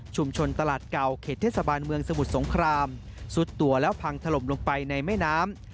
ตลาดเก่าเขตเทศบาลเมืองสมุทรสงครามซุดตัวแล้วพังถล่มลงไปในแม่น้ำ